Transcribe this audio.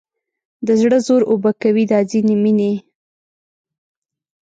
د زړه زور اوبه کوي دا ځینې مینې